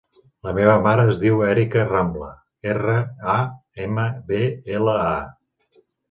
La meva mare es diu Erika Rambla: erra, a, ema, be, ela, a.